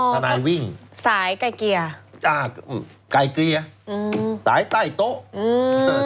ทนายวิ่งสายไกลเกลี่ยจ้ะอืมไก่เกลี่ยอืมสายใต้โต๊ะอืม